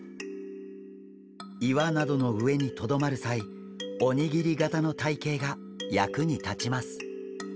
岩などの上にとどまる際おにぎり型の体形が役に立ちます。